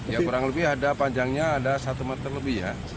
ya kurang lebih ada panjangnya ada satu meter lebih ya